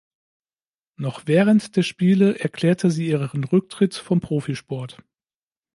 Noch während der Spiele erklärte sie ihren Rücktritt vom Profisport.